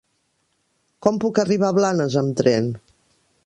Com puc arribar a Blanes amb tren?